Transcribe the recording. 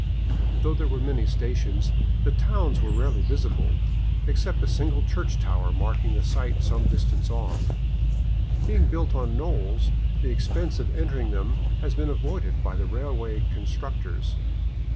Though there were many stations, the towns were rarely visible, except a single church tower marking the site some distance off. Being built on knolls, the expense of entering them has been avoided by the railway constructors.